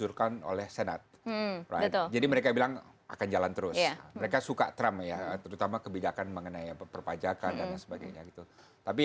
orang gak akan jawab telepon kita